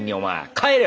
帰れ！